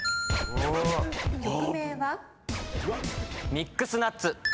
ミックスナッツ。